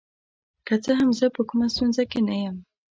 که څه هم زه په کومه ستونزه کې نه یم.